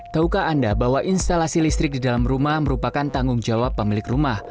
taukah anda bahwa instalasi listrik di dalam rumah merupakan tanggung jawab pemilik rumah